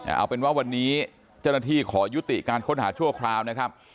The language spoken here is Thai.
เอาเป็นว่าวันนี้เจ้าหน้าที่ขอยุติการค้นหาชั่วคราวนะครับ